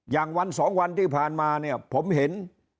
อย่างวันสองวันที่ผ่านมาเนี่ยผมเห็น